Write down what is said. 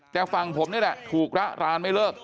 แต่ฝั่งผมนี่แหละถูกระรานไม่เลิก